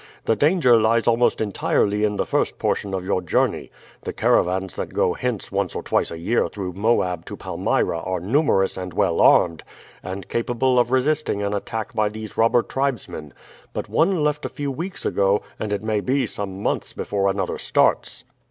The danger lies almost entirely in the first portion of your journey. The caravans that go hence once or twice a year through Moab to Palmyra are numerous and well armed, and capable of resisting an attack by these robber tribesmen. But one left a few weeks ago, and it may be some months before another starts."